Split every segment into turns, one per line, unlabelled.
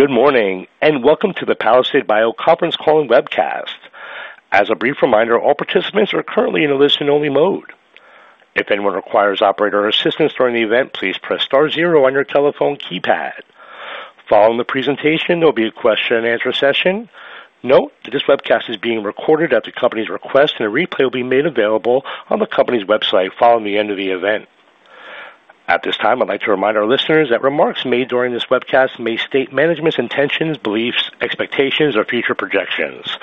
Good morning, and welcome to the Palisade Bio conference call and webcast. As a brief reminder, all participants are currently in a listen-only mode. If anyone requires operator assistance during the event, please press star zero on your telephone keypad. Following the presentation, there'll be a question and answer session. Note that this webcast is being recorded at the company's request, and a replay will be made available on the company's website following the end of the event. At this time, I'd like to remind our listeners that remarks made during this webcast may state management's intentions, beliefs, expectations, or future projections.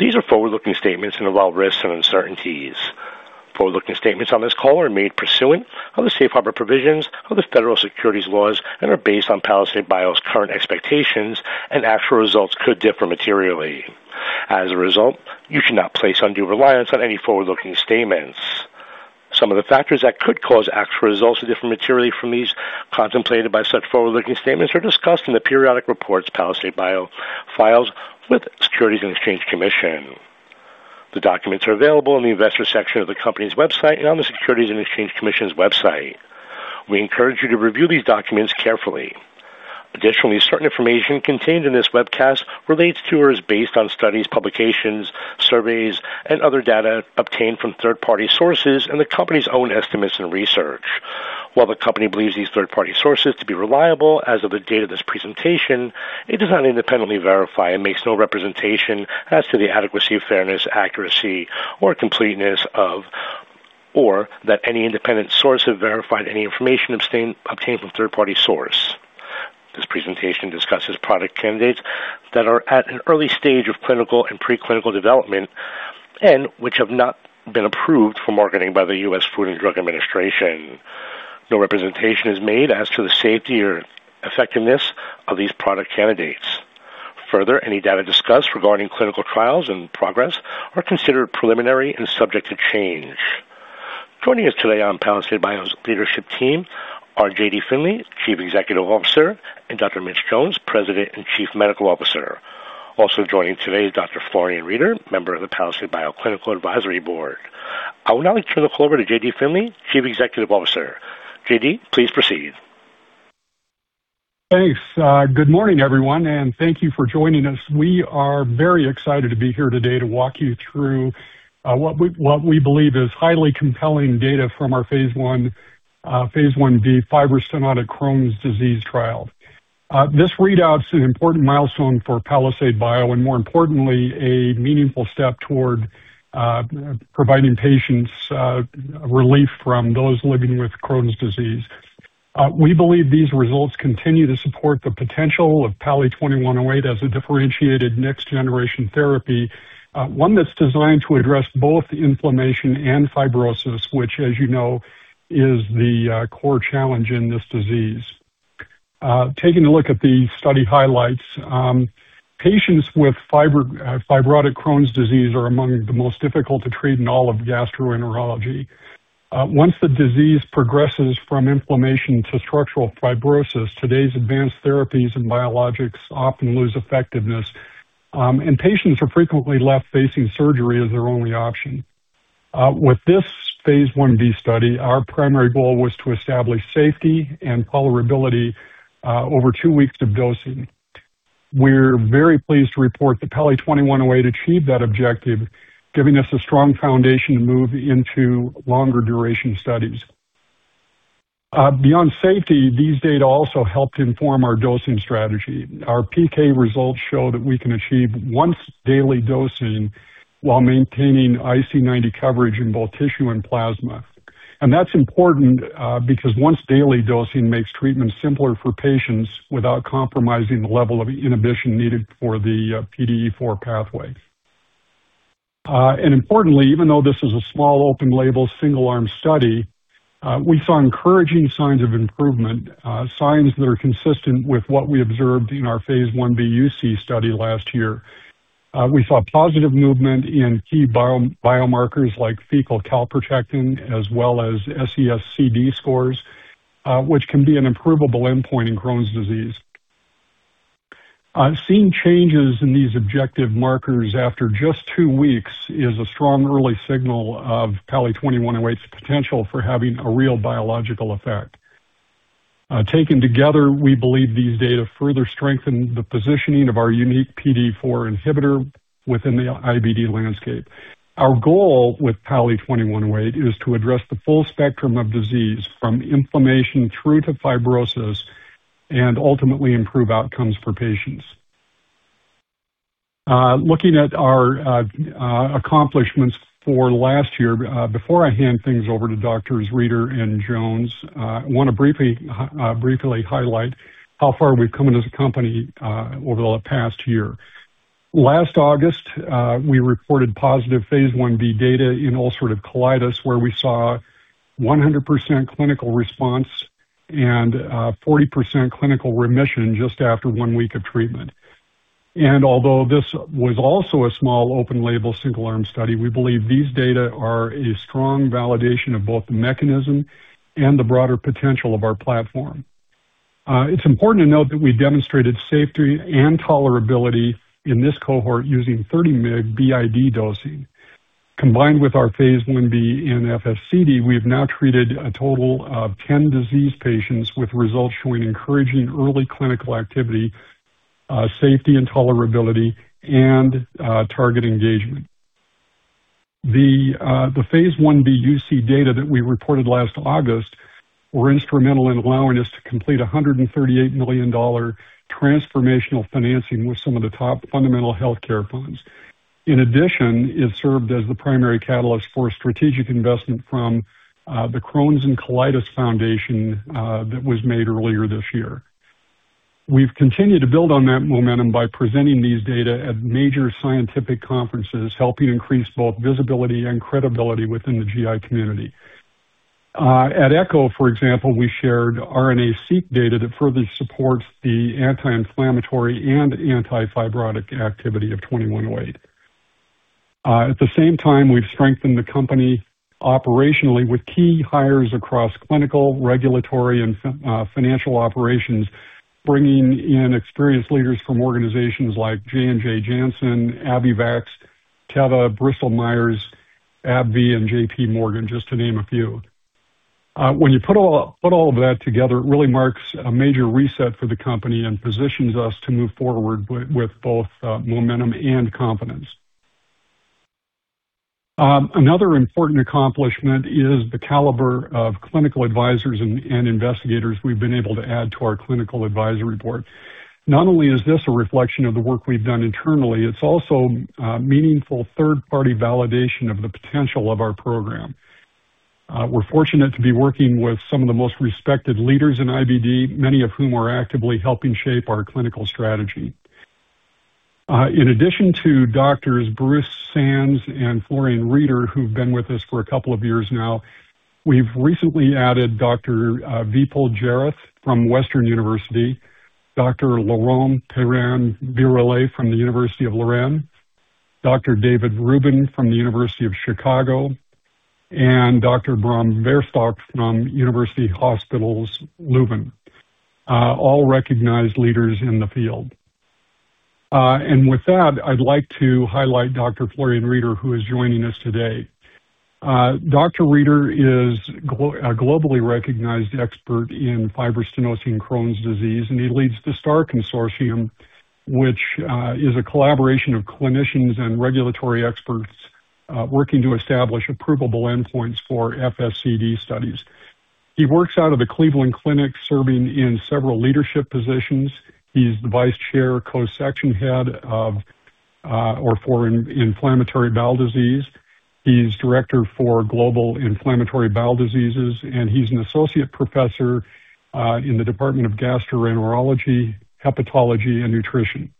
These are forward-looking statements and involve risks and uncertainties. Forward-looking statements on this call are made pursuant to the safe harbor provisions of the federal securities laws and are based on Palisade Bio's current expectations and actual results could differ materially. As a result, you should not place undue reliance on any forward-looking statements. Some of the factors that could cause actual results to differ materially from these contemplated by such forward-looking statements are discussed in the periodic reports Palisade Bio files with Securities and Exchange Commission. The documents are available in the investor section of the company's website and on the Securities and Exchange Commission's website. We encourage you to review these documents carefully. Additionally, certain information contained in this webcast relates to or is based on studies, publications, surveys, and other data obtained from third-party sources and the company's own estimates and research. While the company believes these third-party sources to be reliable as of the date of this presentation, it does not independently verify and makes no representation as to the adequacy, fairness, accuracy or completeness of, or that any independent source have verified any information obtained from third-party source. This presentation discusses product candidates that are at an early stage of clinical and pre-clinical development and which have not been approved for marketing by the U.S. Food and Drug Administration. No representation is made as to the safety or effectiveness of these product candidates. Further, any data discussed regarding clinical trials and progress are considered preliminary and subject to change. Joining us today on Palisade Bio's leadership team are JD Finley, Chief Executive Officer, and Dr. Mitch Jones, President and Chief Medical Officer. Also joining today is Dr. Florian Rieder, member of the Palisade Bio Clinical Advisory Board. I would now like to turn the call over to JD Finley, Chief Executive Officer. JD, please proceed.
Thanks. Good morning, everyone, and thank you for joining us. We are very excited to be here today to walk you through what we believe is highly compelling data from our phase I, phase I-B fibrostenotic Crohn's disease trial. This readout is an important milestone for Palisade Bio and more importantly, a meaningful step toward providing patients relief for those living with Crohn's disease. We believe these results continue to support the potential of PALI-2108 as a differentiated next-generation therapy one that's designed to address both inflammation and fibrosis, which, as you know, is the core challenge in this disease. Taking a look at the study highlights. Patients with fibrotic Crohn's disease are among the most difficult to treat in all of gastroenterology. Once the disease progresses from inflammation to structural fibrosis, today's advanced therapies and biologics often lose effectiveness, and patients are frequently left facing surgery as their only option. With this phase I-B study, our primary goal was to establish safety and tolerability over two weeks of dosing. We're very pleased to report that PALI-2108 achieved that objective, giving us a strong foundation to move into longer duration studies. Beyond safety, these data also helped inform our dosing strategy. Our PK results show that we can achieve once daily dosing while maintaining IC90 coverage in both tissue and plasma. That's important because once daily dosing makes treatment simpler for patients without compromising the level of inhibition needed for the PDE4 pathway. Importantly, even though this is a small open label single-arm study, we saw encouraging signs of improvement, signs that are consistent with what we observed in our phase I-B UC study last year. We saw positive movement in key biomarkers like fecal calprotectin as well as SES-CD scores, which can be an important endpoint in Crohn's disease. Seeing changes in these objective markers after just two weeks is a strong early signal of PALI-2108's potential for having a real biological effect. Taken together, we believe these data further strengthen the positioning of our unique PDE4 inhibitor within the IBD landscape. Our goal with PALI-2108 is to address the full spectrum of disease, from inflammation through to fibrosis, and ultimately improve outcomes for patients. Looking at our accomplishments for last year. Before I hand things over to Drs. Rieder and Jones, I want to briefly highlight how far we've come as a company over the past year. Last August, we reported positive phase I-B data in ulcerative colitis, where we saw 100% clinical response and 40% clinical remission just after one week of treatment. Although this was also a small open label single-arm study, we believe these data are a strong validation of both the mechanism and the broader potential of our platform. It's important to note that we demonstrated safety and tolerability in this cohort using 30 mg BID dosing. Combined with our phase I-B in FFCD, we've now treated a total of 10 disease patients with results showing encouraging early clinical activity, safety and tolerability, and target engagement. The phase I-B UC data that we reported last August were instrumental in allowing us to complete $138 million transformational financing with some of the top fundamental health care funds. In addition, it served as the primary catalyst for strategic investment from the Crohn's and Colitis Foundation that was made earlier this year. We've continued to build on that momentum by presenting these data at major scientific conferences, helping increase both visibility and credibility within the GI community. At ECCO, for example, we shared RNA-seq data that further supports the anti-inflammatory and anti-fibrotic activity of PALI-2108. At the same time, we've strengthened the company operationally with key hires across clinical, regulatory, and financial operations, bringing in experienced leaders from organizations like J&J, Janssen, AbbVie, Vax, Teva, Bristol Myers, AbbVie, and JPMorgan, just to name a few. When you put all of that together, it really marks a major reset for the company and positions us to move forward with both momentum and confidence. Another important accomplishment is the caliber of clinical advisors and investigators we've been able to add to our Clinical Advisory Board. Not only is this a reflection of the work we've done internally, it's also a meaningful third-party validation of the potential of our program. We're fortunate to be working with some of the most respected leaders in IBD, many of whom are actively helping shape our clinical strategy. In addition to Dr. Bruce Sands and Dr. Florian Rieder, who've been with us for a couple of years now, we've recently added Dr. Vipul Jairath from Western University, Dr. Laurent Peyrin-Biroulet from the University of Lorraine, Dr. David Rubin from the University of Chicago, and Dr. Bram Verstockt from University Hospitals Leuven, all recognized leaders in the field. With that, I'd like to highlight Dr. Florian Rieder, who is joining us today. Dr. Rieder is a globally recognized expert in fibrostenotic Crohn's disease, and he leads the STAR Consortium, which is a collaboration of clinicians and regulatory experts working to establish approvable endpoints for FFCD studies. He works out of the Cleveland Clinic, serving in several leadership positions. He's the vice chair co-section head of or for inflammatory bowel disease. He's director for Global Inflammatory Bowel Diseases, and he's an associate professor in the Department of Gastroenterology, Hepatology and Nutrition.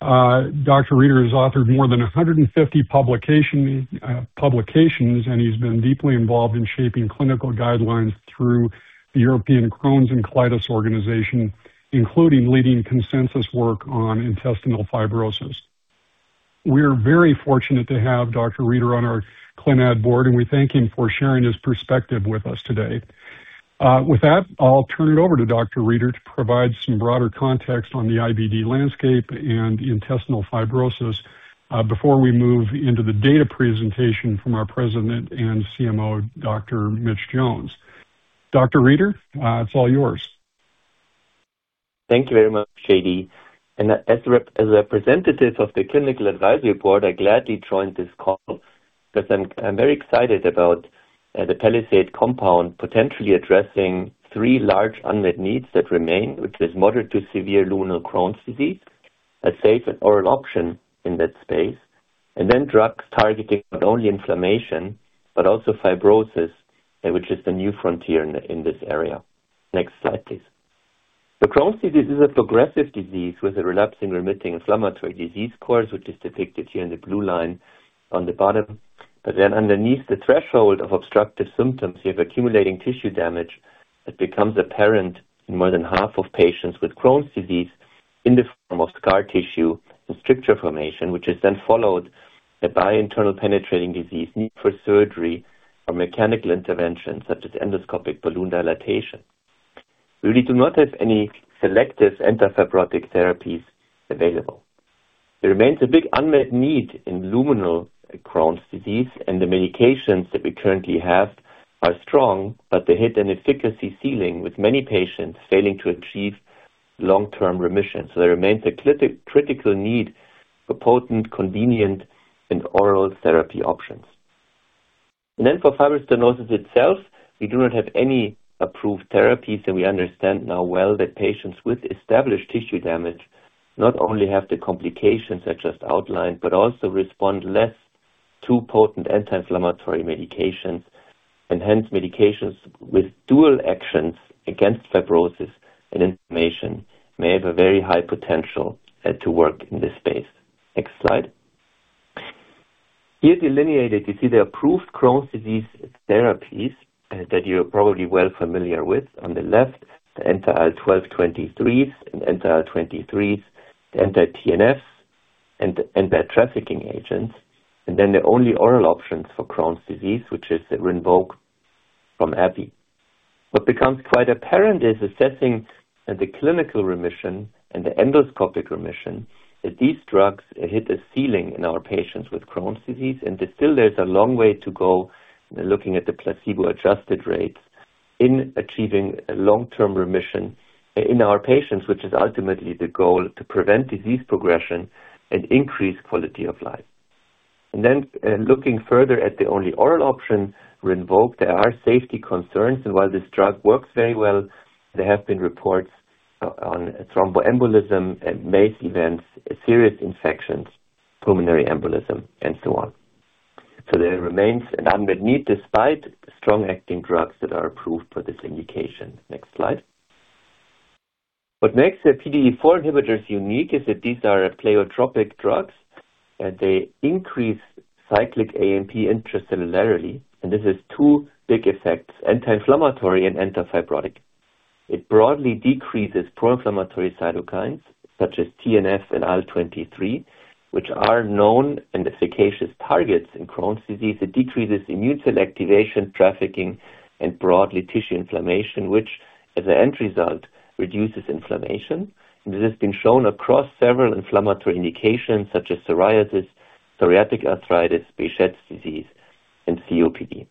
Dr. Rieder has authored more than 150 publications, and he's been deeply involved in shaping clinical guidelines through the European Crohn's and Colitis Organisation, including leading consensus work on intestinal fibrosis. We are very fortunate to have Dr. Rieder on our ClinAd board, and we thank him for sharing his perspective with us today. With that, I'll turn it over to Dr. Rieder to provide some broader context on the IBD landscape and intestinal fibrosis, before we move into the data presentation from our president and CMO, Dr. Mitch Jones. Dr. Rieder, it's all yours.
Thank you very much, JD. As a representative of the Clinical Advisory Board, I gladly joined this call 'cause I'm very excited about the Palisade compound potentially addressing three large unmet needs that remain, which is moderate to severe luminal Crohn's disease, a safe and oral option in that space, and then drugs targeting not only inflammation, but also fibrosis, which is the new frontier in this area. Next slide, please. Crohn's disease is a progressive disease with a relapsing/remitting inflammatory disease course, which is depicted here in the blue line on the bottom. Underneath the threshold of obstructive symptoms, you have accumulating tissue damage that becomes apparent in more than half of patients with Crohn's disease in the form of scar tissue and stricture formation, which is then followed by internal penetrating disease, need for surgery or mechanical intervention such as endoscopic balloon dilatation. We really do not have any selective anti-fibrotic therapies available. There remains a big unmet need in luminal Crohn's disease, and the medications that we currently have are strong, but they hit an efficacy ceiling, with many patients failing to achieve long-term remission. There remains a critical need for potent, convenient, and oral therapy options. For fibrostenosis itself, we do not have any approved therapies, and we understand now well that patients with established tissue damage not only have the complications I just outlined, but also respond less to potent anti-inflammatory medications. Hence, medications with dual actions against fibrosis and inflammation may have a very high potential to work in this space. Next slide. Here delineated you see the approved Crohn's disease therapies that you're probably well familiar with. On the left, the anti-IL-12/23s and anti-IL-23s, the anti-TNFs and anti-trafficking agents. Then the only oral options for Crohn's disease, which is the Rinvoq from AbbVie. What becomes quite apparent is assessing the clinical remission and the endoscopic remission, that these drugs hit a ceiling in our patients with Crohn's disease, and that still there's a long way to go looking at the placebo-adjusted rates in achieving long-term remission in our patients, which is ultimately the goal to prevent disease progression and increase quality of life. Then looking further at the only oral option, Rinvoq, there are safety concerns. While this drug works very well, there have been reports on thromboembolism and MACE events, serious infections, pulmonary embolism, and so on. There remains an unmet need despite strong acting drugs that are approved for this indication. Next slide. What makes the PDE4 inhibitors unique is that these are pleiotropic drugs, and they increase cyclic AMP intracellularly. This has two big effects, anti-inflammatory and anti-fibrotic. It broadly decreases pro-inflammatory cytokines such as TNF and IL-23, which are known and efficacious targets in Crohn's disease. It decreases immune cell activation, trafficking, and broadly tissue inflammation, which as an end result, reduces inflammation. This has been shown across several inflammatory indications such as psoriasis, psoriatic arthritis, Behçet's disease, and COPD.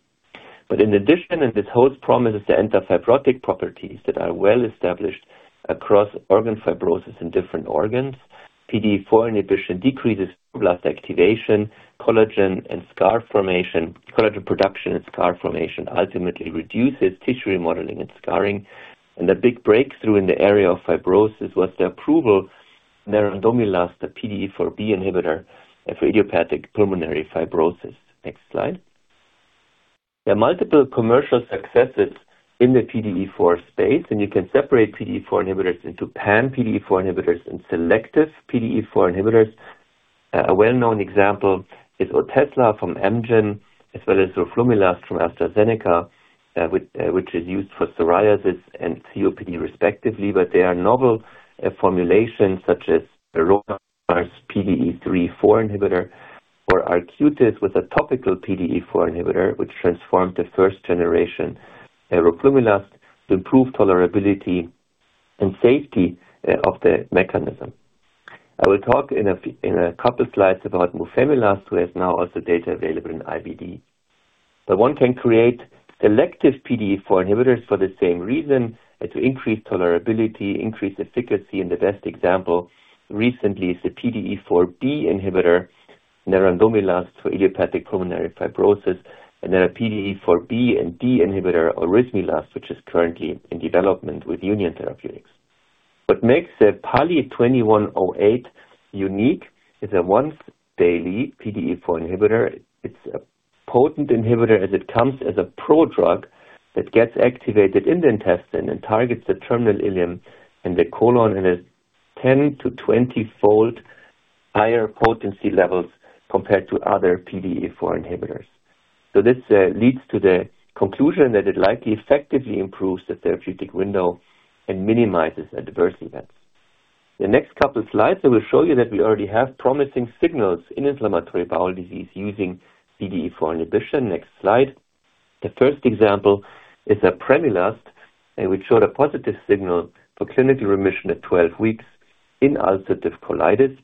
In addition, and this holds promise to anti-fibrotic properties that are well established across organ fibrosis in different organs, PDE4 inhibition decreases fibroblast activation, collagen and scar formation. Collagen production and scar formation ultimately reduces tissue remodeling and scarring. A big breakthrough in the area of fibrosis was the approval of nerandomilast, a PDE4B inhibitor for idiopathic pulmonary fibrosis. Next slide. There are multiple commercial successes in the PDE4 space, and you can separate PDE4 inhibitors into pan PDE4 inhibitors and selective PDE4 inhibitors. A well-known example is Otezla from Amgen, as well as roflumilast from AstraZeneca, which is used for psoriasis and COPD respectively. There are novel formulations such as Verona, PDE3/4 inhibitor, or Arcutis with a topical PDE4 inhibitor which transformed the first generation roflumilast to improve tolerability and safety of the mechanism. I will talk in a couple slides about Mufemilast, who has now also data available in IBD. One can create selective PDE4 inhibitors for the same reason, and to increase tolerability, increase efficacy, and the best example recently is the PDE4B inhibitor, nerandomilast for idiopathic pulmonary fibrosis and then a PDE4B and D inhibitor Orismilast, which is currently in development with UNION Therapeutics. What makes the PALI-2108 unique is a once daily PDE4 inhibitor. It's a potent inhibitor as it comes as a prodrug that gets activated in the intestine and targets the terminal ileum and the colon, and has 10- to 20-fold higher potency levels compared to other PDE4 inhibitors. This leads to the conclusion that it likely effectively improves the therapeutic window and minimizes adverse events. The next couple slides, I will show you that we already have promising signals in inflammatory bowel disease using PDE4 inhibition. Next slide. The first example is apremilast, which showed a positive signal for clinical remission at 12 weeks in ulcerative colitis.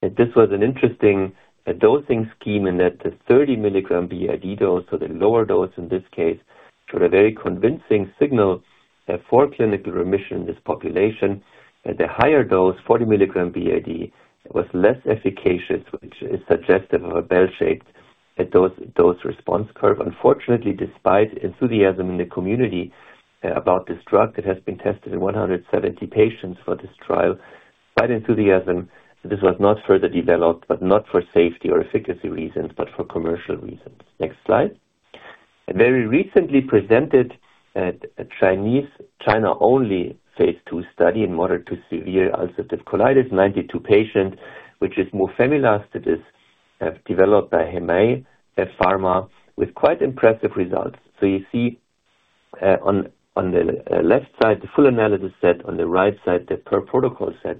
This was an interesting dosing scheme in that the 30-mg BID dose, so the lower dose in this case, showed a very convincing signal for clinical remission in this population. At the higher dose, 40-mg BID, was less efficacious, which is suggestive of a bell-shaped dose response curve. Unfortunately, despite enthusiasm in the community about this drug that has been tested in 170 patients for this trial, that enthusiasm, this was not further developed, but not for safety or efficacy reasons, but for commercial reasons. Next slide. A very recently presented, a China-only phase II study in moderate to severe ulcerative colitis, 92 patients, which is mufemilast. It is developed by Hemay Pharma with quite impressive results. You see, on the left side, the full analysis set, on the right side, the per protocol set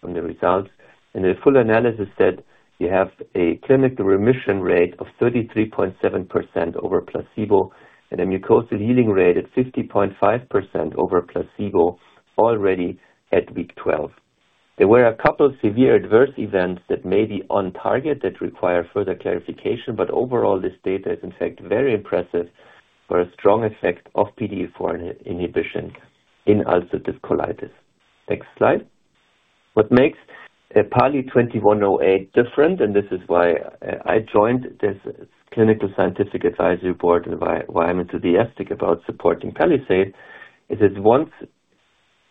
from the results. In the full analysis set, you have a clinical remission rate of 33.7% over placebo, and a mucosal healing rate at 50.5% over placebo already at week 12. There were a couple severe adverse events that may be on target that require further clarification, but overall, this data is in fact very impressive for a strong effect of PDE4 inhibition in ulcerative colitis. Next slide. What makes PALI-2108 different, and this is why I joined this Clinical Advisory Board and why I'm enthusiastic about supporting Palisade, is its once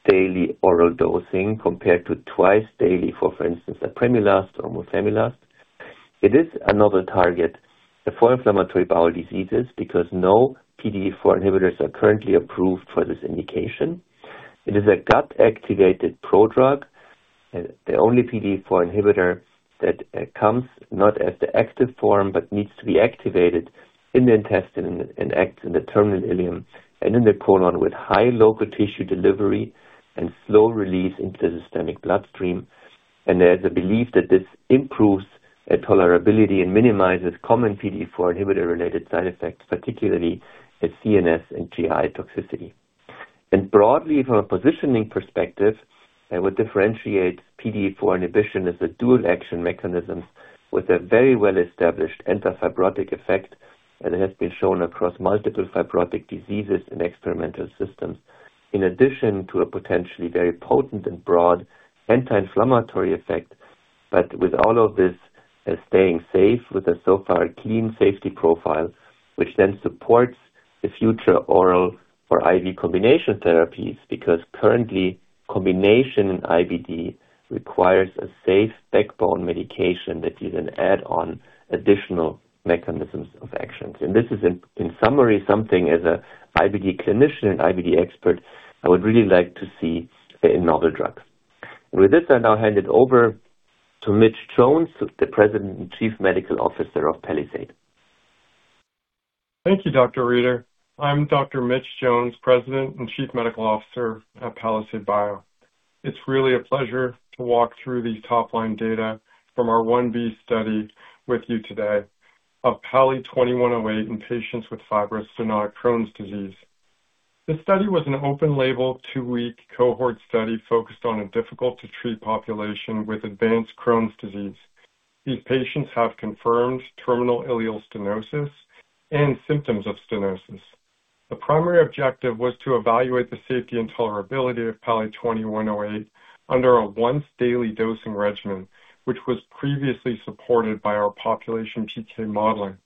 daily oral dosing compared to twice daily for instance, apremilast or Mufemilast. It is another target for inflammatory bowel diseases because no PDE4 inhibitors are currently approved for this indication. It is a gut-activated prodrug, the only PDE4 inhibitor that comes not as the active form, but needs to be activated in the intestine and acts in the terminal ileum and in the colon with high local tissue delivery and slow release into the systemic bloodstream. There's a belief that this improves a tolerability and minimizes common PDE4 inhibitor-related side effects, particularly its CNS and GI toxicity. Broadly, from a positioning perspective, I would differentiate PDE4 inhibition as a dual-action mechanism with a very well-established anti-fibrotic effect, and it has been shown across multiple fibrotic diseases in experimental systems, in addition to a potentially very potent and broad anti-inflammatory effect. With all of this, staying safe with a so far clean safety profile, which then supports the future oral or IV combination therapies. Because currently, combination IBD requires a safe backbone medication that is an add-on additional mechanisms of actions. This is, in summary, something as an IBD clinician and IBD expert, I would really like to see a novel drug. With this, I now hand it over to Mitchell Jones, the President and Chief Medical Officer of Palisade Bio.
Thank you, Dr. Rieder. I'm Dr. Mitch Jones, President and Chief Medical Officer at Palisade Bio. It's really a pleasure to walk through these top-line data from our I-B study with you today of PALI-2108 in patients with fibrostenotic Crohn's disease. This study was an open-label, 2-week cohort study focused on a difficult-to-treat population with advanced Crohn's disease. These patients have confirmed terminal ileal stenosis and symptoms of stenosis. The primary objective was to evaluate the safety and tolerability of PALI-2108 under a once-daily dosing regimen, which was previously supported by our population PK modeling.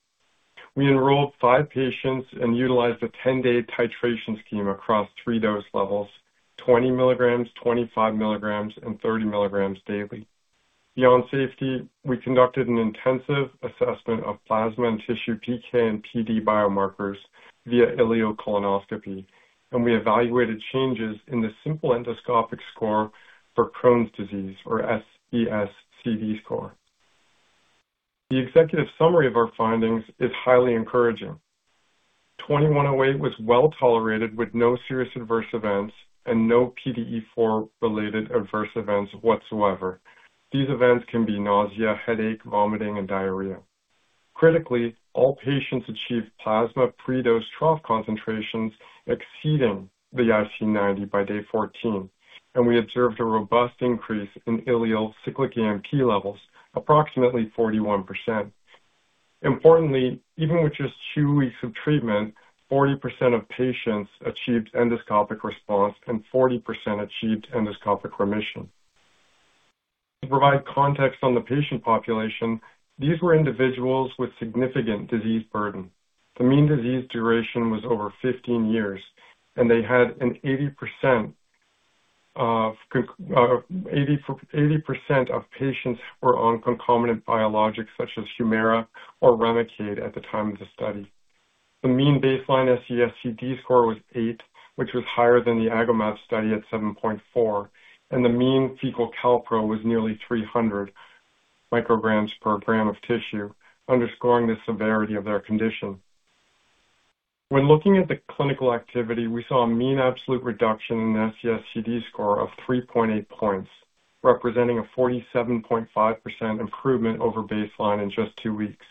We enrolled 5 patients and utilized a 10-day titration scheme across 3 dose levels: 20 mg, 25 mg, and 30 mg daily. Beyond safety, we conducted an intensive assessment of plasma and tissue PK and PD biomarkers via ileocolonoscopy, and we evaluated changes in the simple endoscopic score for Crohn's disease or SES-CD score. The executive summary of our findings is highly encouraging. PALI-2108 was well tolerated with no serious adverse events and no PDE4-related adverse events whatsoever. These events can be nausea, headache, vomiting and diarrhea. Critically, all patients achieved plasma pre-dose trough concentrations exceeding the IC90 by day 14, and we observed a robust increase in ileal cyclic AMP levels, approximately 41%. Importantly, even with just 2 weeks of treatment, 40% of patients achieved endoscopic response and 40% achieved endoscopic remission. To provide context on the patient population, these were individuals with significant disease burden. The mean disease duration was over 15 years, and 80% of patients were on concomitant biologics such as Humira or Remicade at the time of the study. The mean baseline SES-CD score was 8, which was higher than the Agomab study at 7.4, and the mean fecal calprotectin was nearly 300 micrograms per gram of tissue, underscoring the severity of their condition. When looking at the clinical activity, we saw a mean absolute reduction in SES-CD score of 3.8 points, representing a 47.5% improvement over baseline in just two weeks.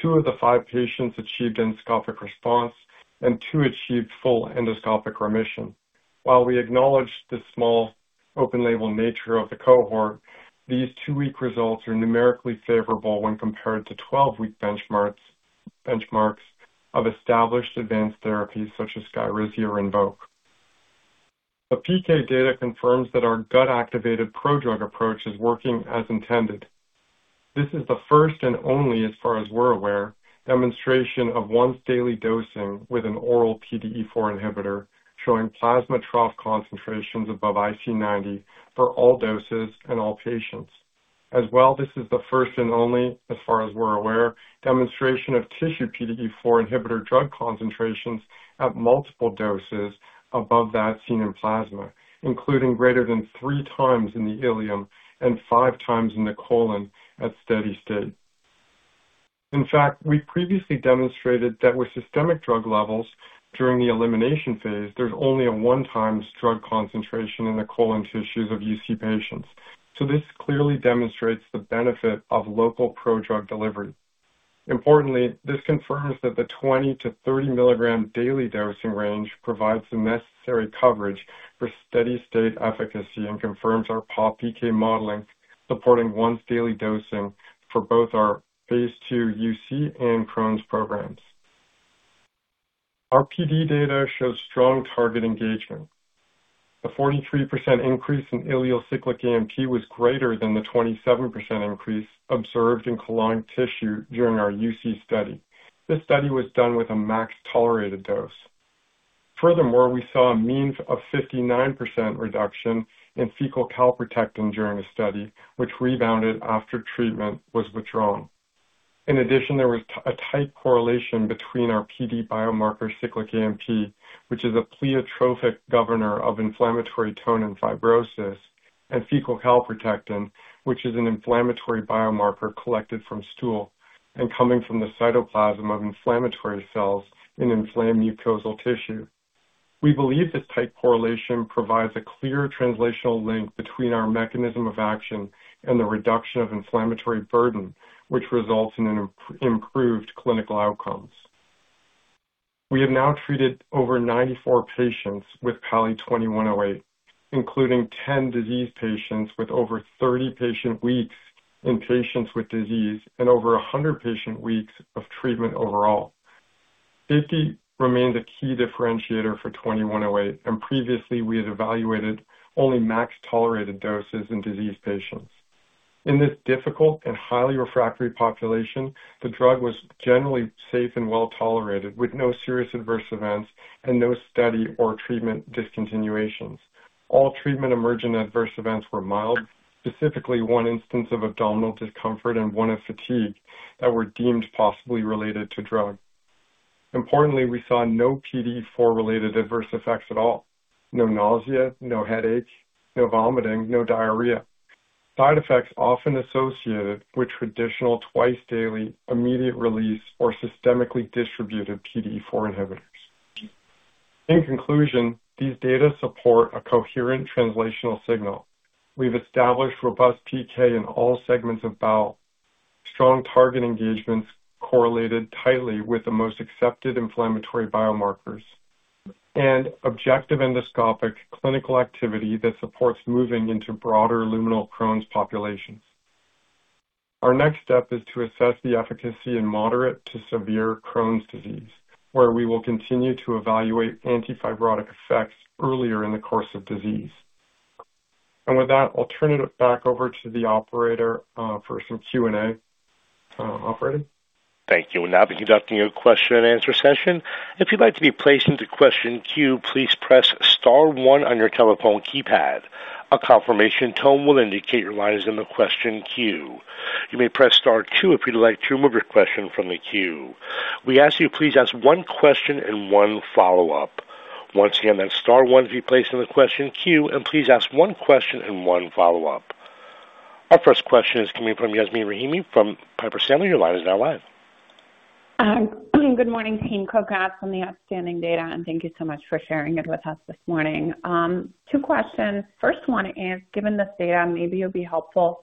Two of the five patients achieved endoscopic response and two achieved full endoscopic remission. While we acknowledge the small open label nature of the cohort, these 2-week results are numerically favorable when compared to 12-week benchmarks of established advanced therapies such as Skyrizi or Rinvoq. The PK data confirms that our gut-activated prodrug approach is working as intended. This is the first and only, as far as we're aware, demonstration of once-daily dosing with an oral PDE4 inhibitor, showing plasma trough concentrations above IC90 for all doses and all patients. As well, this is the first and only, as far as we're aware, demonstration of tissue PDE4 inhibitor drug concentrations at multiple doses above that seen in plasma, including greater than 3x in the ileum and 5x in the colon at steady state. In fact, we previously demonstrated that with systemic drug levels during the elimination phase, there's only a one-time drug concentration in the colon tissues of UC patients. This clearly demonstrates the benefit of local prodrug delivery. Importantly, this confirms that the 20 mg-30 mg daily dosing range provides the necessary coverage for steady-state efficacy and confirms our Pop PK modeling, supporting once daily dosing for both our phase II UC and Crohn's programs. Our PD data shows strong target engagement. The 43% increase in ileal cyclic AMP was greater than the 27% increase observed in colon tissue during our UC study. This study was done with a max tolerated dose. Furthermore, we saw a means of 59% reduction in fecal calprotectin during the study, which rebounded after treatment was withdrawn. In addition, there was a tight correlation between our PD biomarker cyclic AMP, which is a pleiotropic governor of inflammatory tone and fibrosis, and fecal calprotectin, which is an inflammatory biomarker collected from stool and coming from the cytoplasm of inflammatory cells in inflamed mucosal tissue. We believe this tight correlation provides a clear translational link between our mechanism of action and the reduction of inflammatory burden, which results in an improved clinical outcomes. We have now treated over 94 patients with PALI-2108, including 10 diseased patients with over 30 patient weeks in patients with disease and over 100 patient weeks of treatment overall. Safety remains a key differentiator for 2108, and previously we had evaluated only max tolerated doses in diseased patients. In this difficult and highly refractory population, the drug was generally safe and well tolerated, with no serious adverse events and no study or treatment discontinuations. All treatment emergent adverse events were mild, specifically one instance of abdominal discomfort and one of fatigue that were deemed possibly related to drug. Importantly, we saw no PDE4-related adverse effects at all. No nausea, no headaches, no vomiting, no diarrhea. Side effects often associated with traditional twice-daily, immediate release or systemically distributed PDE4 inhibitors. In conclusion, these data support a coherent translational signal. We've established robust PK in all segments of bowel. Strong target engagements correlated tightly with the most accepted inflammatory biomarkers and objective endoscopic clinical activity that supports moving into broader luminal Crohn's populations. Our next step is to assess the efficacy in moderate to severe Crohn's disease, where we will continue to evaluate antifibrotic effects earlier in the course of disease. With that, I'll turn it back over to the operator, for some Q&A. Operator.
Thank you. We'll now be conducting a question and answer session. If you'd like to be placed into question queue, please press star one on your telephone keypad. A confirmation tone will indicate your line is in the question queue. You may press star two if you'd like to remove your question from the queue. We ask you please ask one question and one follow-up. Once again, that's star one to be placed in the question queue, and please ask one question and one follow-up. Our first question is coming from Yasmeen Rahimi from Piper Sandler. Your line is now live.
Good morning, team. Congrats on the outstanding data, and thank you so much for sharing it with us this morning. Two questions. First one is, given this data, maybe it'll be helpful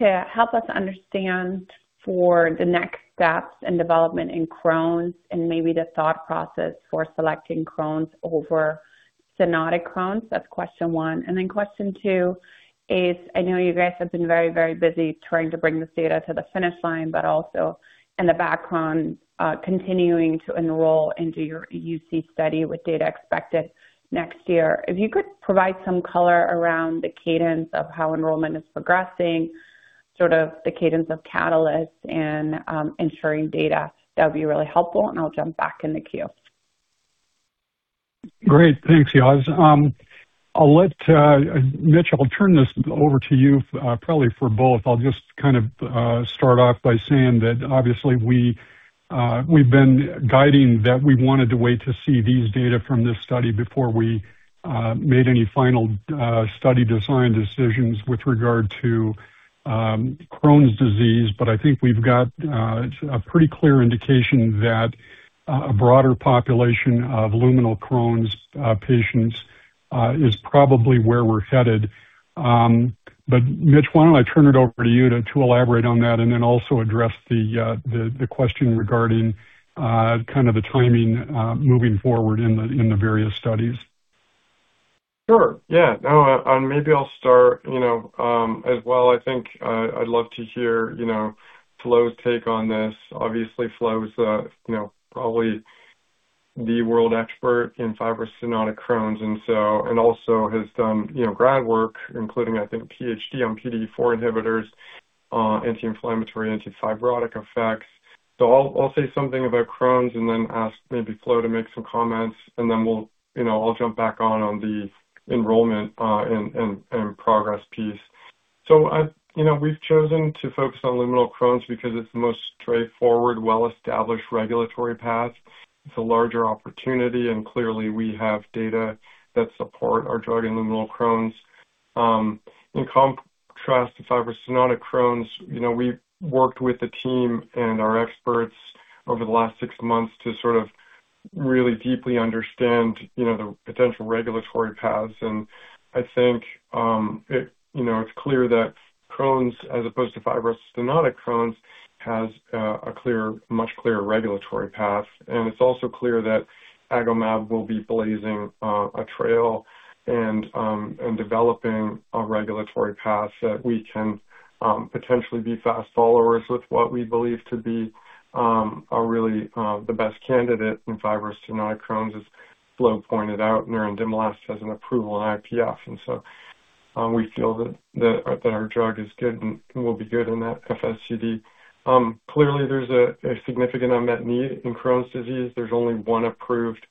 to help us understand for the next steps in development in Crohn's and maybe the thought process for selecting Crohn's over stenotic Crohn's. That's question one. Question two is, I know you guys have been very, very busy trying to bring this data to the finish line, but also in the background, continuing to enroll into your UC study with data expected next year. If you could provide some color around the cadence of how enrollment is progressing, sort of the cadence of catalyst and, ensuring data, that would be really helpful. I'll jump back in the queue.
Great. Thanks, Yas. I'll turn this over to you, Mitch, probably for both. I'll just kind of start off by saying that obviously we've been guiding that we wanted to wait to see these data from this study before we made any final study design decisions with regard to Crohn's disease. I think we've got a pretty clear indication that a broader population of luminal Crohn's patients is probably where we're headed. Mitch, why don't I turn it over to you to elaborate on that and then also address the question regarding kind of the timing moving forward in the various studies.
Sure. Yeah. No, and maybe I'll start, you know, as well. I think I'd love to hear, you know, Flo's take on this. Obviously, Flo's probably the world expert in fibrostenotic Crohn's, and also has done grad work, including, I think, PhD on PDE4 inhibitors, anti-inflammatory, antifibrotic effects. I'll say something about Crohn's and then ask maybe Flo to make some comments, and then we'll, you know, I'll jump back on the enrollment and progress piece. We've chosen to focus on luminal Crohn's because it's the most straightforward, well-established regulatory path. It's a larger opportunity, and clearly, we have data that support our drug in luminal Crohn's. In contrast to fibrostenotic Crohn's, you know, we've worked with the team and our experts over the last six months to sort of really deeply understand, you know, the potential regulatory paths. I think, you know, it's clear that Crohn's, as opposed to fibrostenotic Crohn's, has a clear, much clearer regulatory path. It's also clear that Agomab will be blazing a trail and developing a regulatory path that we can potentially be fast followers with what we believe to be a really the best candidate in fibrostenotic Crohn's. As Flo pointed out, nerandomilast has an approval in IPF. We feel that our drug is good and will be good in that FSCD. Clearly there's a significant unmet need in Crohn's disease. There's only one approved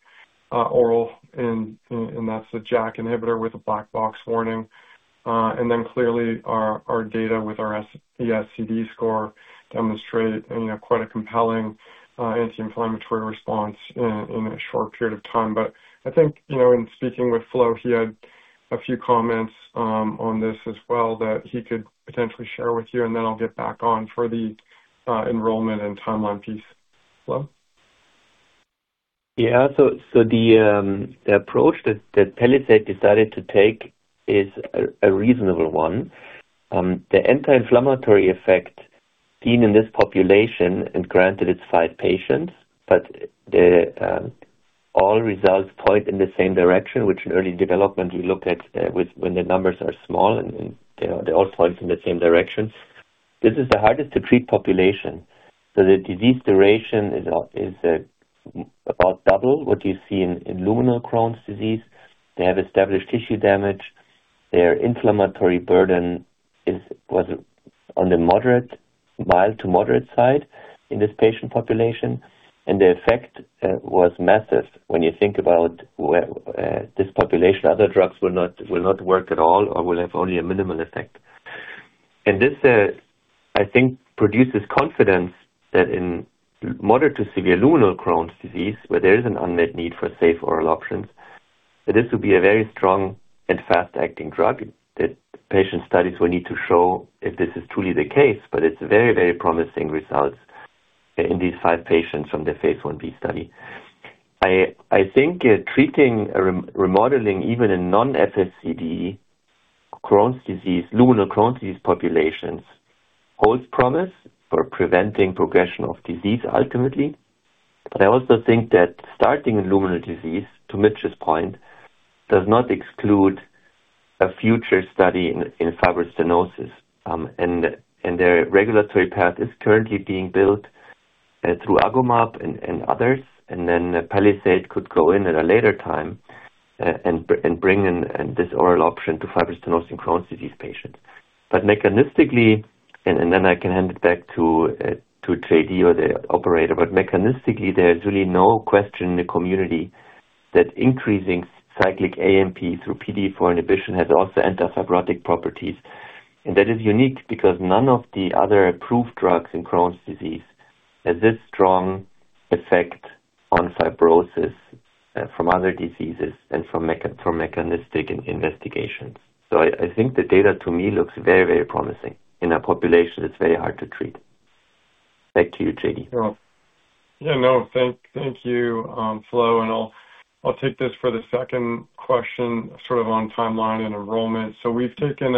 oral, and that's the JAK inhibitor with a black box warning. And then clearly our data with our SES-CD score demonstrate quite a compelling anti-inflammatory response in a short period of time. But I think, in speaking with Flo, he had a few comments on this as well that he could potentially share with you, and then I'll get back on for the enrollment and timeline piece. Flo?
Yeah. The approach that Palisade decided to take is a reasonable one. The anti-inflammatory effect seen in this population, and granted it's five patients, but all results point in the same direction, which in early development we look at when the numbers are small and they all point in the same direction. This is the hardest to treat population, so the disease duration is about double what you see in luminal Crohn's disease. They have established tissue damage. Their inflammatory burden was on the mild to moderate side in this patient population, and the effect was massive when you think about where this population, other drugs will not work at all or will have only a minimal effect. This, I think, produces confidence that in moderate to severe luminal Crohn's disease, where there is an unmet need for safe oral options, that this will be a very strong and fast-acting drug, that patient studies will need to show if this is truly the case, but it's very, very promising results in these five patients from the phase I-B study. I think treating remodeling, even in non-FSCD Crohn's disease, luminal Crohn's disease populations, holds promise for preventing progression of disease ultimately. I also think that starting in luminal disease, to Mitch's point, does not exclude a future study in fibrostenosis. Their regulatory path is currently being built through Agomab and others, and then Palisade could go in at a later time and bring in this oral option to fibrostenosing Crohn's disease patients. Mechanistically, I can hand it back to JD or the operator, but mechanistically, there is really no question in the community that increasing cyclic AMP through PDE4 inhibition has also anti-fibrotic properties. That is unique because none of the other approved drugs in Crohn's disease has this strong effect on fibrosis from other diseases and from mechanistic investigations. I think the data to me looks very, very promising in a population that's very hard to treat. Back to you, JD.
Thank you, Flo, and I'll take this for the second question, sort of on timeline and enrollment. We've taken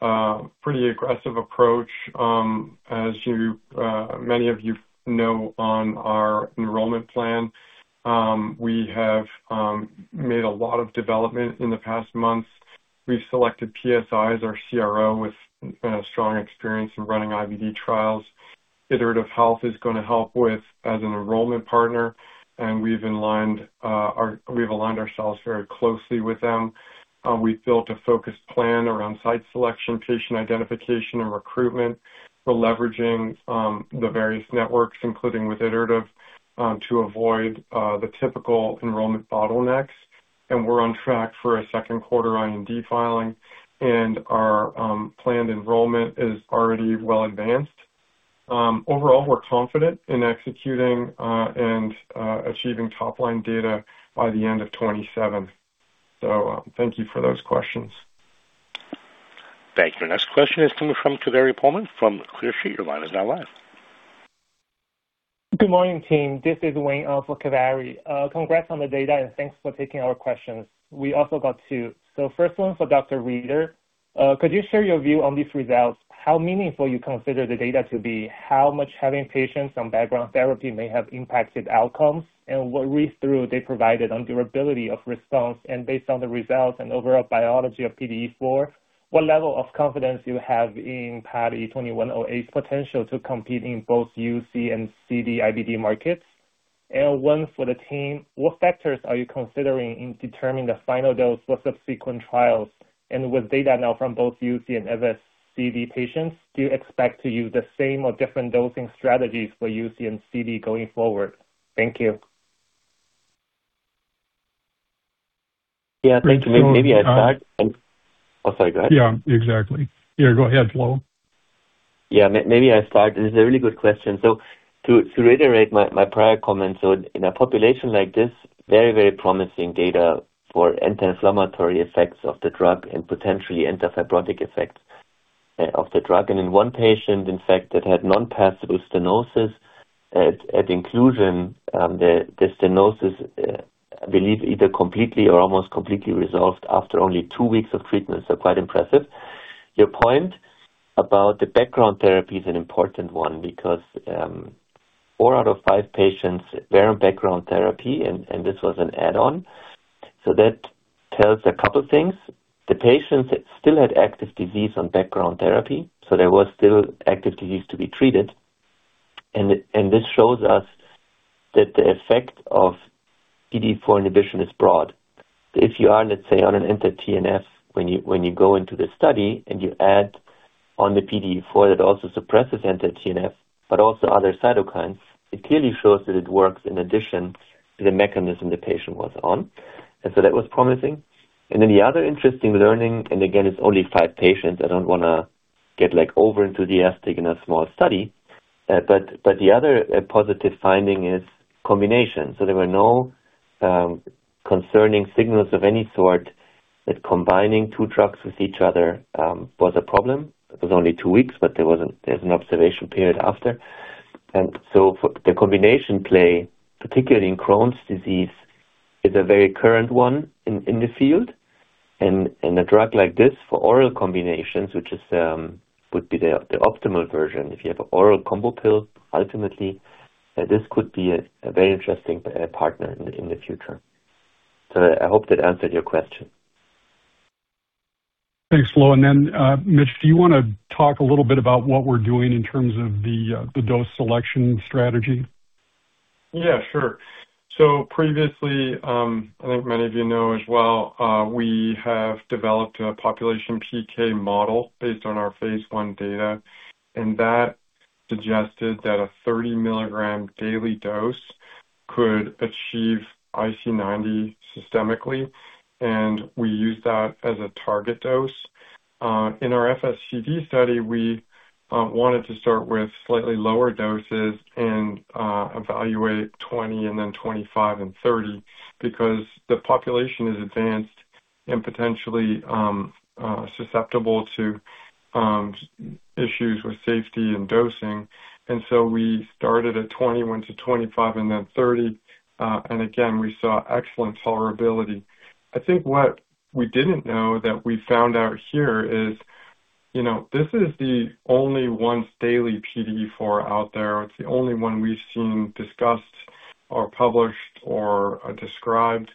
a pretty aggressive approach, as many of you know, on our enrollment plan. We have made a lot of development in the past months. We've selected PSI as our CRO with strong experience in running IBD trials. Iterative Health is gonna help us as an enrollment partner, and we've aligned ourselves very closely with them. We've built a focused plan around site selection, patient identification and recruitment. We're leveraging the various networks, including Iterative, to avoid the typical enrollment bottlenecks. We're on track for a second quarter IND filing, and our planned enrollment is already well advanced. Overall, we're confident in executing and achieving top-line data by the end of 2027. Thank you for those questions.
Thank you. Next question is coming from Kaveri Pohlman from Clear Street. Your line is now live.
Good morning, team. This is Wayne, for Kaveri. Congrats on the data, and thanks for taking our questions. We also got two. First one for Dr. Rieder. Could you share your view on these results, how meaningful you consider the data to be, how much having patients on background therapy may have impacted outcomes, and what read-through they provided on durability of response? Based on the results and overall biology of PDE4, what level of confidence you have in PALI-2108's potential to compete in both UC and CD IBD markets? One for the team, what factors are you considering in determining the final dose for subsequent trials? With data now from both UC and CD patients, do you expect to use the same or different dosing strategies for UC and CD going forward? Thank you.
Yeah. Thank you.
Great.
Oh, sorry. Go ahead.
Yeah, exactly. Yeah, go ahead, Flo.
Yeah. Maybe I start. This is a really good question. To reiterate my prior comment, so in a population like this, very promising data for anti-inflammatory effects of the drug and potentially anti-fibrotic effects of the drug. In one patient, in fact, that had non-passable stenosis at inclusion, the stenosis I believe either completely or almost completely resolved after only two weeks of treatment, so quite impressive. Your point about the background therapy is an important one because four out of five patients were on background therapy and this was an add-on. That tells a couple things. The patients still had active disease on background therapy, so there was still active disease to be treated. This shows us that the effect of PDE4 inhibition is broad. If you are, let's say, on an anti-TNF when you go into the study and you add on the PDE4, that also suppresses anti-TNF, but also other cytokines, it clearly shows that it works in addition to the mechanism the patient was on. That was promising. The other interesting learning, and again, it's only five patients. I don't wanna get, like, over enthusiastic in a small study. The other positive finding is combination. There were no concerning signals of any sort that combining two drugs with each other was a problem. It was only two weeks, there was an observation period after. For the combination play, particularly in Crohn's disease, is a very current one in the field. A drug like this for oral combinations, which would be the optimal version if you have oral combo pill. Ultimately, this could be a very interesting partner in the future. I hope that answered your question.
Thanks, Flo. Mitch, do you wanna talk a little bit about what we're doing in terms of the dose selection strategy?
Yeah, sure. Previously, I think many of you know as well, we have developed a population PK model based on our phase I data, and that suggested that a 30 mg daily dose could achieve IC90 systemically, and we use that as a target dose. In our FSCD study, we wanted to start with slightly lower doses and evaluate 20 mg and then 25 mg and 30 mg because the population is advanced and potentially susceptible to issues with safety and dosing. We started at 20 mg, went to 25 mg and then 30 mg. Again, we saw excellent tolerability. I think what we didn't know that we found out here is, you know, this is the only once daily PDE4 out there. It's the only one we've seen discussed or published or described.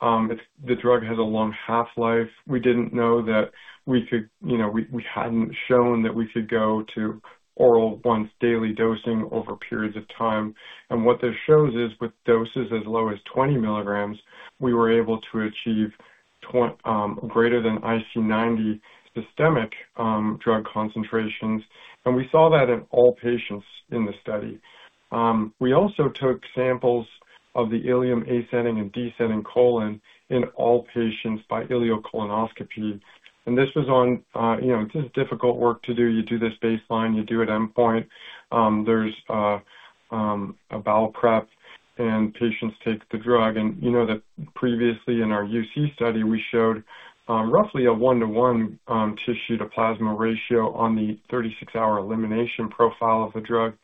The drug has a long half-life. We didn't know that we could, you know, we hadn't shown that we could go to oral once daily dosing over periods of time. What this shows is with doses as low as 20 mg, we were able to achieve greater than IC90 systemic drug concentrations. We saw that in all patients in the study. We also took samples of the ileum, ascending and descending colon in all patients by ileocolonoscopy. This was on, you know, this is difficult work to do. You do this baseline, you do at endpoint. There's a bowel prep, and patients take the drug. You know that previously in our UC study, we showed roughly a one-to-one tissue to plasma ratio on the 36-hour elimination profile of the drug.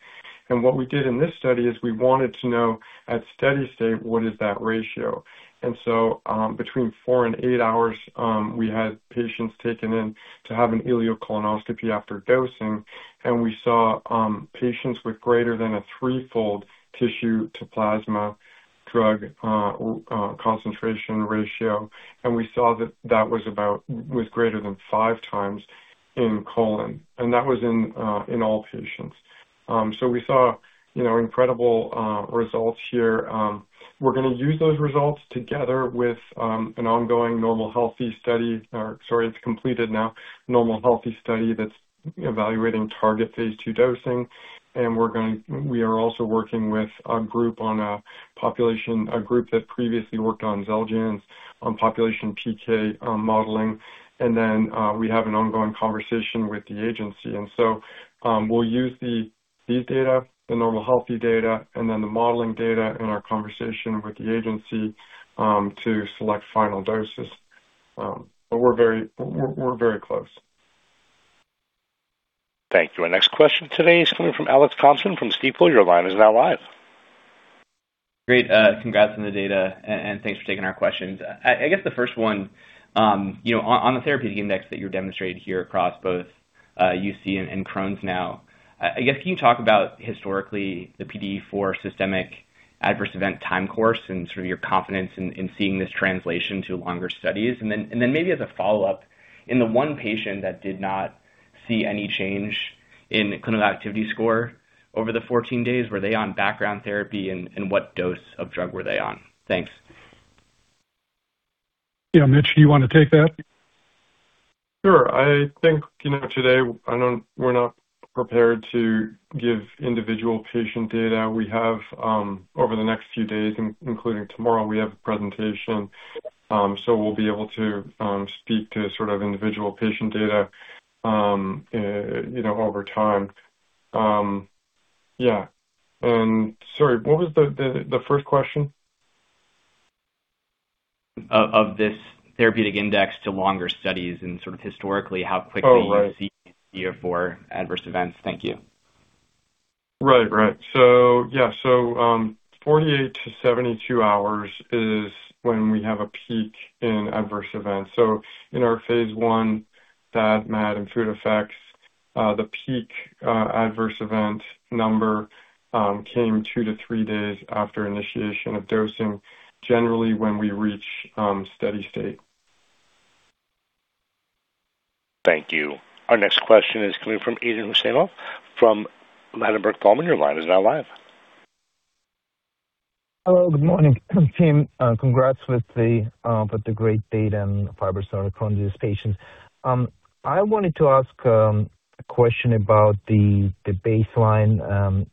What we did in this study is we wanted to know at steady state what is that ratio. Between four and eight hours, we had patients taken in to have an ileocolonoscopy after dosing, and we saw patients with greater than a threefold tissue to plasma drug concentration ratio. We saw that was greater than 5x in colon, and that was in all patients. We saw, you know, incredible results here. We're gonna use those results together with a completed normal healthy study that's evaluating target phase II dosing. We are also working with a group on a population, a group that previously worked on Xeljanz on population PK modeling. We have an ongoing conversation with the agency. We'll use these data, the normal healthy data, and then the modeling data in our conversation with the agency to select final doses. We're very close.
Thank you. Our next question today is coming from Alex Thompson from Stifel. Your line is now live.
Great. Congrats on the data and thanks for taking our questions. I guess the first one, you know, on the therapeutic index that you're demonstrating here across both UC and Crohn's now, I guess can you talk about historically the PDE4 systemic adverse event time course and sort of your confidence in seeing this translation to longer studies? Then maybe as a follow-up, in the one patient that did not see any change in clinical activity score over the 14 days, were they on background therapy and what dose of drug were they on? Thanks.
Yeah. Mitch, do you wanna take that?
Sure. I think, you know, today we're not prepared to give individual patient data. We have, over the next few days, including tomorrow, we have a presentation, so we'll be able to speak to sort of individual patient data, you know, over time. Yeah, sorry, what was the first question?
...of this therapeutic index to longer studies and sort of historically how quickly...
Oh, right.
You see PDE4 adverse events. Thank you.
48-72 hours is when we have a peak in adverse events. In our phase I, SAD, MAD, and food effects, the peak adverse event number came 2-3 days after initiation of dosing, generally when we reach steady state.
Thank you. Our next question is coming from Aydin Huseynov from Ladenburg Thalmann. Your line is now live.
Hello, good morning team. Congrats with the great data in fibrosing Crohn's patients. I wanted to ask a question about the baseline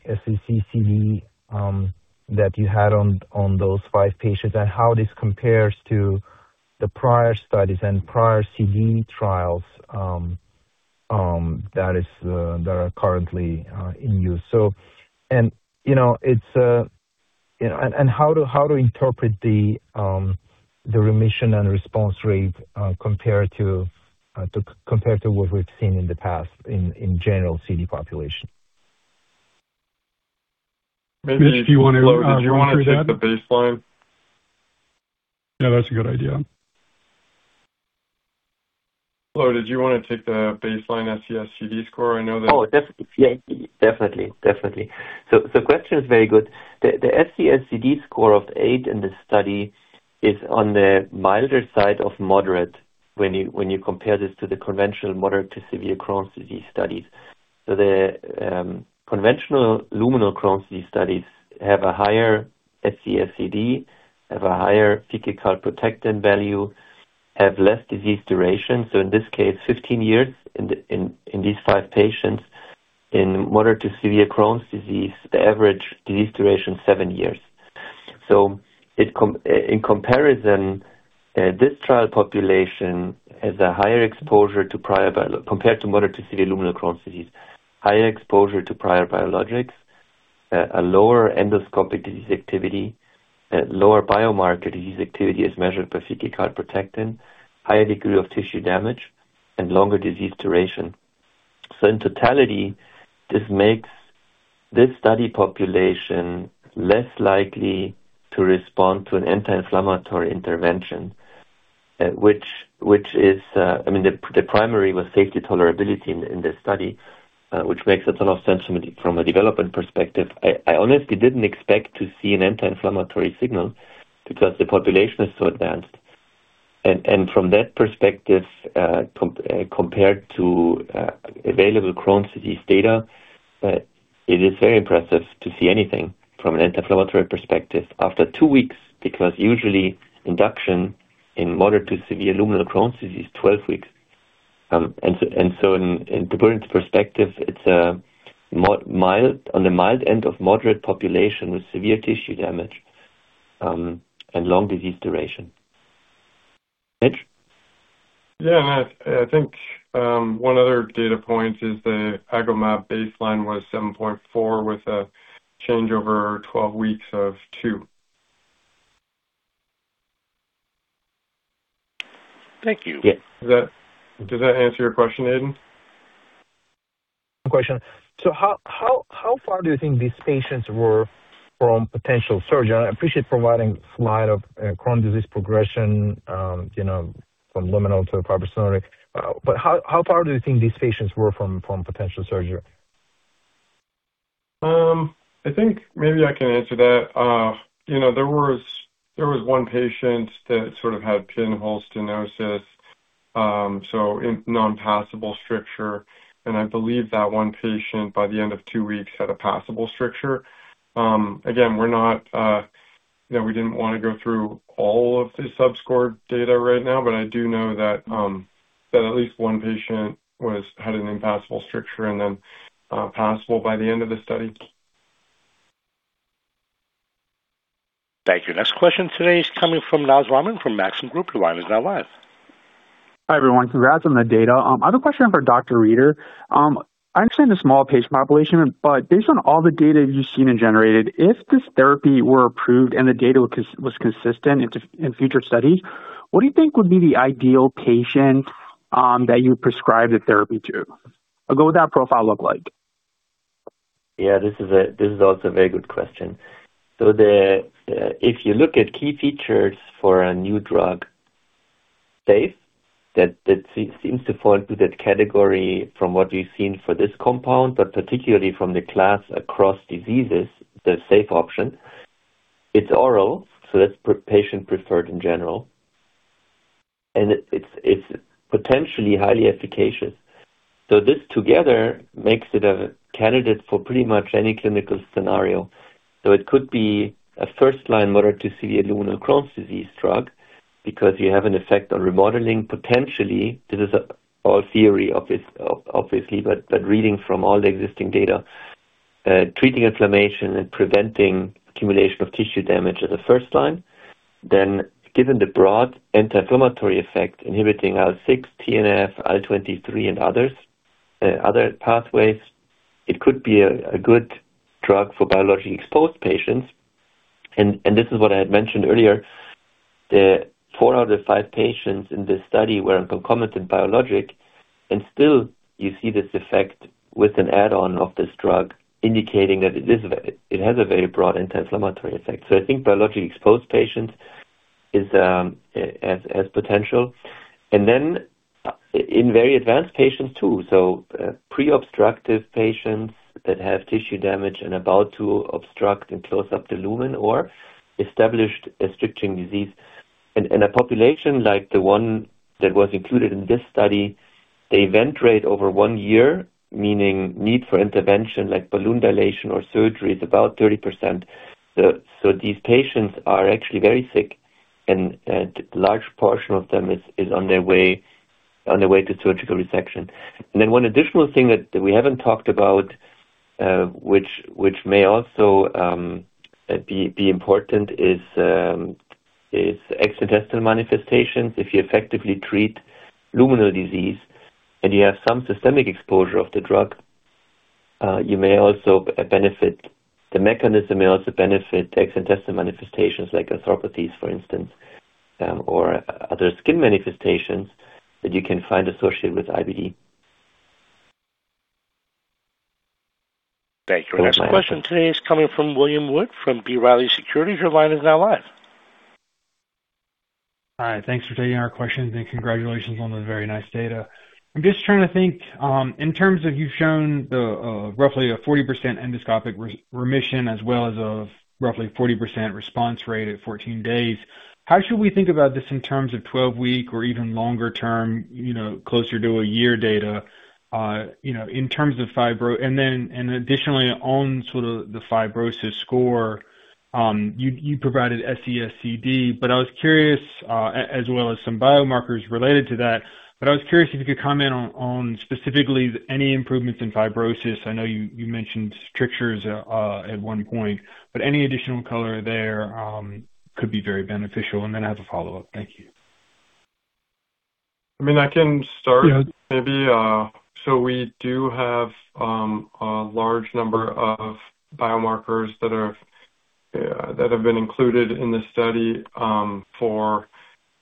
SES-CD that you had on those 5 patients and how this compares to the prior studies and prior CD trials that are currently in use. You know, it's you know how to interpret the remission and response rate compared to what we've seen in the past in general CD population.
Mitch, do you want to answer that?
Flo, did you want to take the baseline?
Yeah, that's a good idea.
Flo, did you want to take the baseline SES-CD score? I know that.
Definitely. Question is very good. The SES-CD score of 8 in the study is on the milder side of moderate when you compare this to the conventional moderate to severe Crohn's disease studies. The conventional luminal Crohn's disease studies have a higher SES-CD, have a higher fecal calprotectin value, have less disease duration, so in this case, 15 years in these 5 patients. In moderate to severe Crohn's disease, the average disease duration 7 years. In comparison, this trial population has a higher exposure to prior biologics compared to moderate to severe luminal Crohn's disease, higher exposure to prior biologics, a lower endoscopic disease activity, a lower biomarker disease activity as measured by fecal calprotectin, higher degree of tissue damage, and longer disease duration. In totality, this makes this study population less likely to respond to an anti-inflammatory intervention, which is. I mean, the primary was safety tolerability in this study, which makes a ton of sense from a development perspective. I honestly didn't expect to see an anti-inflammatory signal because the population is so advanced. From that perspective, compared to available Crohn's disease data, it is very impressive to see anything from an anti-inflammatory perspective after 2 weeks because usually induction in moderate to severe luminal Crohn's disease 12 weeks. To put it into perspective, it's a mild, on the mild end of moderate population with severe tissue damage and long disease duration. Mitch?
Yeah, no, I think one other data point is the Agomab baseline was 7.4 with a change over 12 weeks of 2.
Thank you.
Yeah.
Does that answer your question, Aydin?
How far do you think these patients were from potential surgery? I appreciate providing slide of Crohn's disease progression, you know, from luminal to fibrostenotic. How far do you think these patients were from potential surgery?
I think maybe I can answer that. You know, there was one patient that sort of had pinhole stenosis, so in non-passable stricture. I believe that one patient by the end of two weeks had a passable stricture. Again, we're not, you know, we didn't wanna go through all of the sub-score data right now, but I do know that at least one patient had an impassable stricture and then passable by the end of the study.
Thank you. Next question today is coming from Naz Rahman from Maxim Group. Your line is now live.
Hi, everyone. Congrats on the data. I have a question for Dr. Rieder. I understand the small patient population, but based on all the data you've seen and generated, if this therapy were approved and the data was consistent in future studies, what do you think would be the ideal patient that you would prescribe the therapy to? What would that profile look like?
Yeah, this is also a very good question. If you look at key features for a new drug, safe, that seems to fall into that category from what we've seen for this compound, but particularly from the class across diseases, the safe option. It's oral, so that's patient preferred in general. It's potentially highly efficacious. This together makes it a candidate for pretty much any clinical scenario. It could be a first-line moderate to severe luminal Crohn's disease drug because you have an effect on remodeling. Potentially, this is all theory obviously, but reading from all the existing data, Laurent Peyrin-Biroulet, treating inflammation and preventing accumulation of tissue damage as a first line. Given the broad anti-inflammatory effect inhibiting IL-6, TNF, IL-23 and others, other pathways, it could be a good drug for biologically exposed patients. This is what I had mentioned earlier. Four out of the five patients in this study were on concomitant biologic, and still you see this effect with an add-on of this drug, indicating that it has a very broad anti-inflammatory effect. I think biologically exposed patients has potential. In very advanced patients too. Pre-obstructive patients that have tissue damage and about to obstruct and close up the lumen or established a stricturing disease. In a population like the one that was included in this study, the event rate over 1 year, meaning need for intervention like balloon dilation or surgery, is about 30%. These patients are actually very sick and large portion of them is on their way to surgical resection. One additional thing that we haven't talked about, which may also be important, is extraintestinal manifestations. If you effectively treat luminal disease and you have some systemic exposure of the drug, the mechanism may also benefit extraintestinal manifestations like arthropathies, for instance, or other skin manifestations that you can find associated with IBD.
Thank you. Our next question today is coming from William Wood from B. Riley Securities. Your line is now live.
Hi. Thanks for taking our questions, and congratulations on the very nice data. I'm just trying to think in terms of you've shown the roughly a 40% endoscopic remission as well as a roughly 40% response rate at 14 days. How should we think about this in terms of 12-week or even longer term, you know, closer to a year data, you know, in terms of fibro? Then and additionally, on sort of the fibrosis score, you provided SES-CD, but I was curious as well as some biomarkers related to that. But I was curious if you could comment on specifically any improvements in fibrosis. I know you mentioned strictures at one point, but any additional color there could be very beneficial. Then I have a follow-up. Thank you.
I mean, I can start maybe. So we do have a large number of biomarkers that have been included in the study for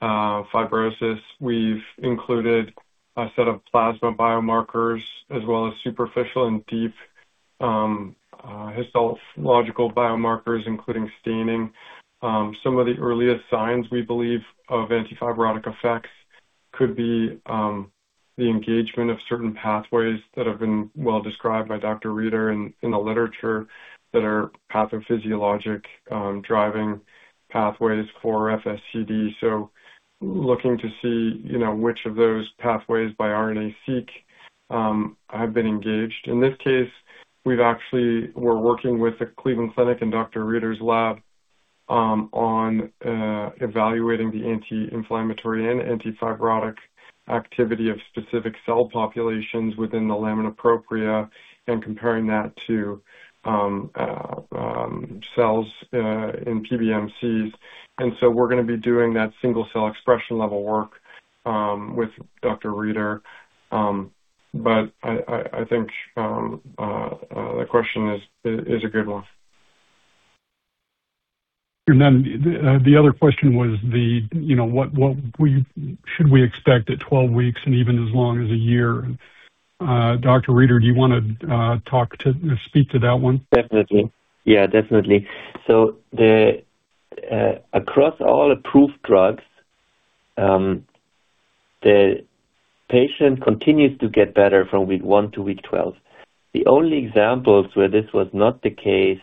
fibrosis. We've included a set of plasma biomarkers as well as superficial and deep histological biomarkers, including staining. Some of the earliest signs we believe of antifibrotic effects could be the engagement of certain pathways that have been well described by Dr. Rieder in the literature that are pathophysiologic driving pathways for FSCD. Looking to see, you know, which of those pathways by RNA-seq have been engaged. In this case, we've actually. We're working with the Cleveland Clinic and Dr. Rieder's lab on evaluating the anti-inflammatory and antifibrotic activity of specific cell populations within the lamina propria and comparing that to cells in PBMC. We're gonna be doing that single cell expression level work with Dr. Rieder. But I think the question is a good one.
The other question was, you know, what we should expect at 12 weeks and even as long as a year? Dr. Rieder, do you wanna speak to that one?
Definitely. Yeah, definitely. Across all approved drugs, the patient continues to get better from week 1 to week 12. The only examples where this was not the case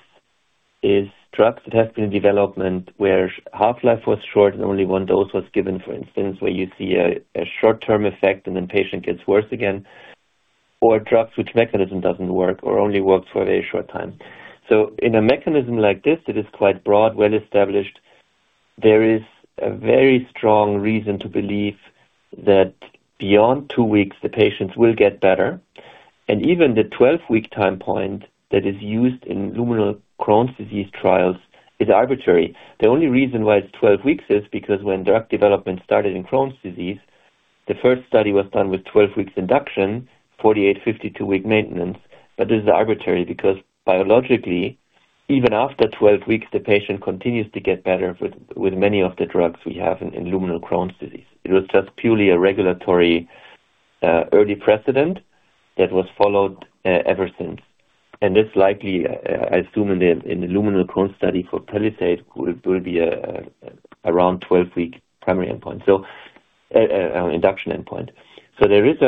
is drugs that have been in development where half-life was short and only one dose was given, for instance, where you see a short-term effect and then patient gets worse again, or drugs whose mechanism doesn't work or only works for a very short time. In a mechanism like this that is quite broad, well-established, there is a very strong reason to believe that beyond 2 weeks the patients will get better. Even the 12-week time point that is used in luminal Crohn's disease trials is arbitrary. The only reason why it's 12 weeks is because when drug development started in Crohn's disease, the first study was done with 12 weeks induction, 48, 52-week maintenance. This is arbitrary because biologically, even after 12 weeks, the patient continues to get better with many of the drugs we have in luminal Crohn's disease. It was just purely a regulatory early precedent that was followed ever since. This likely, I assume, in the luminal Crohn's study for Palisade will be around 12-week primary endpoint, induction endpoint. There is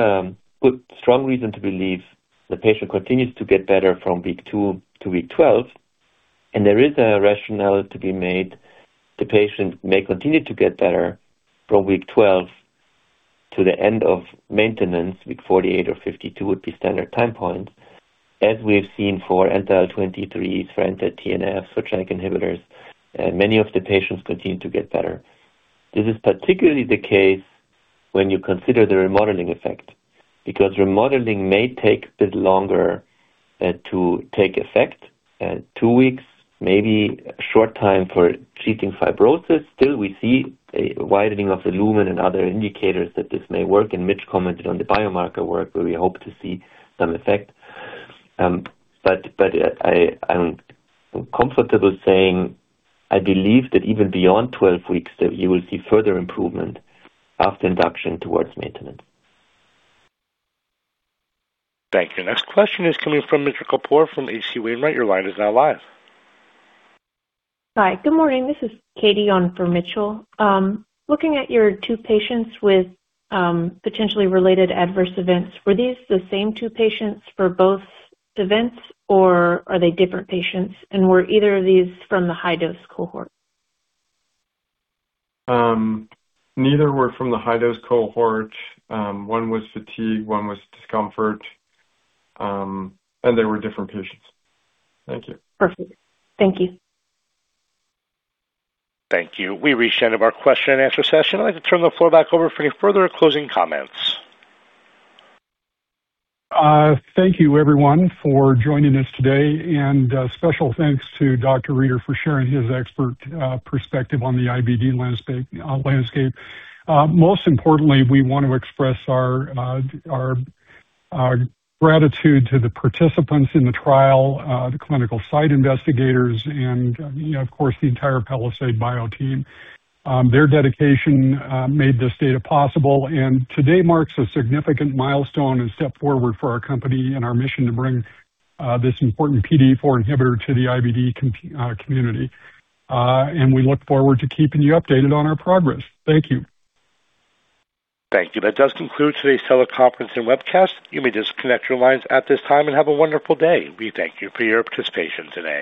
good strong reason to believe the patient continues to get better from week two to week 12, and there is a rationale to be made. The patient may continue to get better from week 12 to the end of maintenance. Week 48 or 52 would be standard time points, as we have seen for anti-IL-23, for anti-TNF, for JAK inhibitors, many of the patients continue to get better. This is particularly the case when you consider the remodeling effect, because remodeling may take a bit longer, to take effect. Two weeks may be a short time for treating fibrosis. Still, we see a widening of the lumen and other indicators that this may work. Mitch commented on the biomarker work where we hope to see some effect. I'm comfortable saying I believe that even beyond 12 weeks that you will see further improvement after induction towards maintenance.
Thank you. Next question is coming from Mitchell Kapoor from H.C. Wainwright. Your line is now live.
Hi. Good morning. This is Katie on for Mitchell. Looking at your two patients with potentially related adverse events, were these the same two patients for both events, or are they different patients? Were either of these from the high-dose cohort?
Neither were from the high-dose cohort. One was fatigue, one was discomfort, and they were different patients. Thank you.
Perfect. Thank you.
Thank you. We've reached the end of our question and answer session. I'd like to turn the floor back over for any further closing comments.
Thank you everyone for joining us today, and special thanks to Dr. Rieder for sharing his expert perspective on the IBD landscape. Most importantly, we want to express our gratitude to the participants in the trial, the clinical site investigators and, you know, of course, the entire Palisade Bio team. Their dedication made this data possible, and today marks a significant milestone and step forward for our company and our mission to bring this important PDE4 inhibitor to the IBD community. We look forward to keeping you updated on our progress. Thank you.
Thank you. That does conclude today's teleconference and webcast. You may disconnect your lines at this time and have a wonderful day. We thank you for your participation today.